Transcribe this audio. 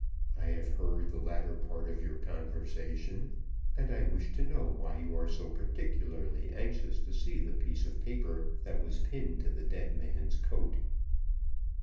"I have heard the latter part of your conversation, and I wish to know why you are so particularly anxious to see the piece of paper that was pinned to the dead man's coat?"